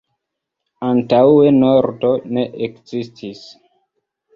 Antaŭe nordo ne ekzistis.